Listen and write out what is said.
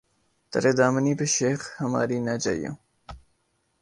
''تر دامنی پہ شیخ ہماری نہ جائیو